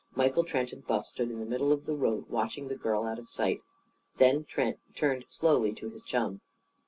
Michael Trent and Buff stood in the middle of the road watching the girl out of sight. Then Trent turned slowly to his chum.